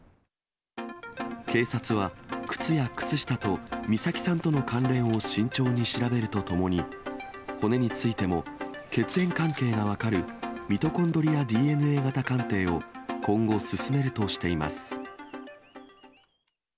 警察は靴や靴下と美咲さんとの関連を慎重に調べるとともに、骨についても、血縁関係が分かる、ミトコンドリアＤＮＡ型鑑定を今後、進めるとしています。